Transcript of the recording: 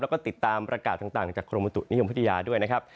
แล้วก็ติดตามประกาศต่างจากกรมบุตุนิยมพัทยาด้วยนะครับ